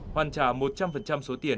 hoàn trả một trăm linh số tiền